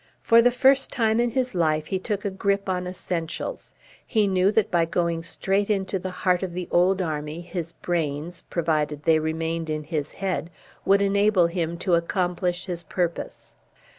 For the first time in his life he took a grip on essentials. He knew that by going straight into the heart of the old army his brains, provided they remained in his head, would enable him to accomplish his purpose.